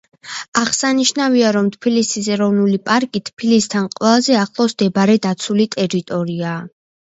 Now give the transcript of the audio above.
აღსანიშნავია, რომ თბილისის ეროვნული პარკი თბილისთან ყველაზე ახლოს მდებარე დაცული ტერიტორიაა.